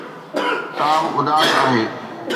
Tom اداس آهي.